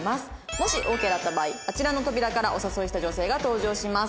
もしオーケーだった場合あちらの扉からお誘いした女性が登場します。